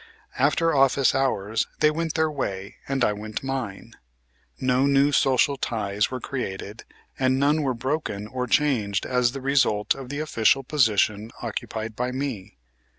After office hours they went their way and I went mine. No new social ties were created and none were broken or changed as the result of the official position occupied by me.